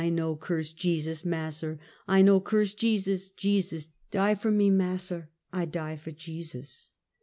I no curse Jesus, Massa! I no curse Jesus; Jesus die for me, Massa; I die for Jesus?"